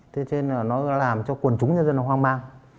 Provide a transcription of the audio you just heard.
thế cho nên là nó làm cho quần chúng nhân dân hoang mang